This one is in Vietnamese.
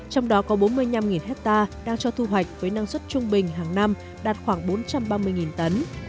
trong đó có bốn mươi năm hectare đang cho thu hoạch với năng suất trung bình hàng năm đạt khoảng bốn trăm ba mươi tấn